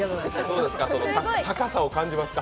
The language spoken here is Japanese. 高さを感じますか？